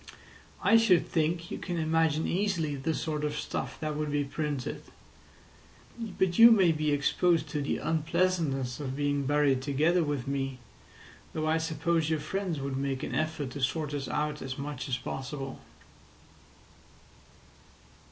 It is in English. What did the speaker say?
I should think you can imagine easily the sort of stuff that would be printed. But you may be exposed to the unpleasantness of being buried together with me, though I suppose your friends would make an effort to sort us out as much as possible."